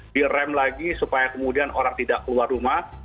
direm lagi supaya kemudian orang tidak keluar rumah